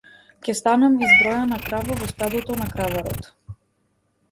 Ќе станам избројана крава во стадото на краварот.